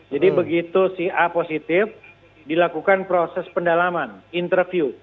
jadi begitu si a positif dilakukan proses pendalaman interview